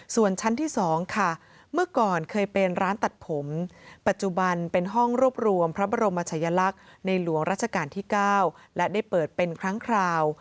ส่วนชั้นที่๒ค่ะเมื่อก่อนเคยเป็นร้านตัดผมปัจจุบันเป็นห้องรวบรวมพระบรมชายลักษณ์ในหลวงราชการที่๙และได้เปิดเป็นครั้งคราว